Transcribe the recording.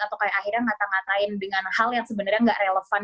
atau kayak akhirnya ngata ngatain dengan hal yang sebenarnya nggak relevan